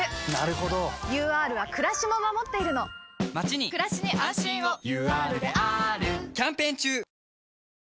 ＵＲはくらしも守っているのまちにくらしに安心をＵＲであーるキャンペーン中！